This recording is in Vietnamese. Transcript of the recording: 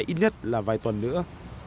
dịch cúm sẽ kéo dài ít nhất là vài tuần nữa